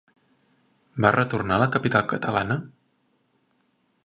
Va retornar a la capital catalana?